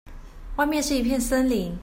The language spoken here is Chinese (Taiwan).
外面是一片森林